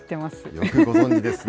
よくご存じですね。